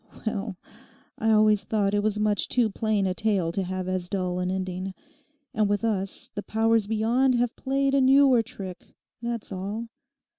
—well, I always thought it was much too plain a tale to have as dull an ending. And with us the powers beyond have played a newer trick, that's all.